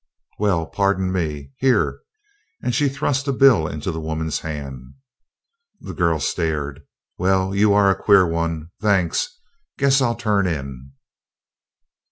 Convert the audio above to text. "Well pardon me! Here!" and she thrust a bill into the woman's hand. The girl stared. "Well, you're a queer one! Thanks. Guess I'll turn in."